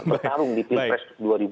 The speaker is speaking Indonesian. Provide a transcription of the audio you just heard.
bertarung di pilpres dua ribu dua puluh